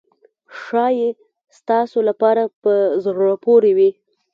ښایي ستاسو لپاره په زړه پورې وي.